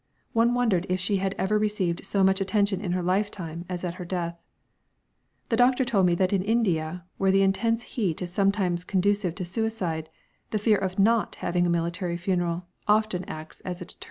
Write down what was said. One wondered if she had ever received so much attention in her lifetime as at her death. The doctor told me that in India, where the intense heat is sometimes conducive to suicide, the fear of not having a military funeral often acts as a deterrent.